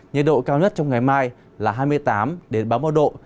nhiệt độ cao nhất trong ngày mai là hai mươi tám ba mươi một độ